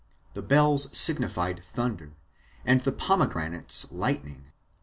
The bells signified thunder, and the pomegranates lightning.